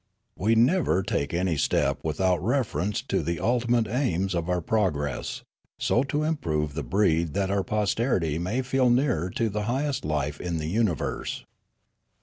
We never take any step without reference to the ulti mate aims of our progress: so to improve the breed that our posterity may feel nearer to the highest life in the universe.